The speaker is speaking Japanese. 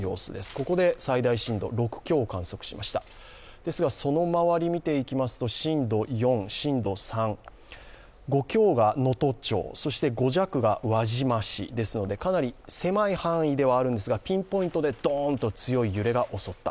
ここで最大震度６強を観測しましたですがその周りを見てみると震度４震度３、５強が能登町、５弱が輪島市ですのでかなり狭い範囲ではあるんですが、ピンポイントでどーんと強い揺れが襲った。